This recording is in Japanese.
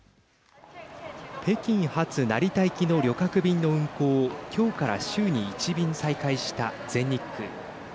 北京発成田行きの旅客便の運航をきょうから週に１便再開した全日空。